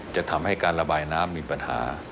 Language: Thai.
จะทำให้การระบายน้ำมีปัญหา